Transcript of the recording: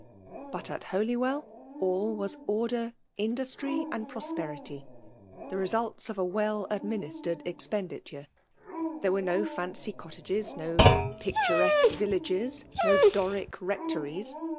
But at Holywell, all was ord^, in dustry, and prosperity — the results of a well^ administered esq^diture. There were ne fancy cottages — no picturesque villages — ^no Dorie rectories.